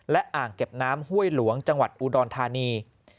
และอ่างเก็บน้ำห้วยหลวงจังหวัดอุดรธานี